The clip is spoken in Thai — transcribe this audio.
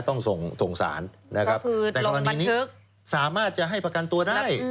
ต้องส่งสารนะครับแต่กรณีนี้สามารถจะให้ประกันตัวได้